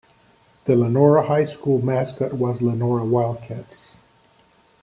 The Lenora High School mascot was Lenora Wildcats.